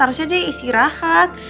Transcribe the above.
harusnya dia isi rahat